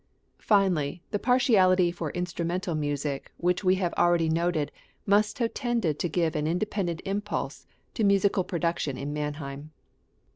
Finally, the partiality for instrumental music which we have already noted must have tended to give an independent impulse to musical production in Mannheim.